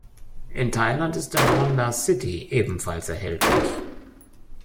In Thailand ist der Honda City ebenfalls erhältlich.